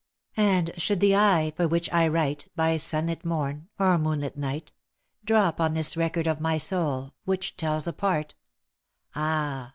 " And should the eye for which I write By sun lit morn, or moon lit night, Drop on this record of my soul, Which tells a part — ah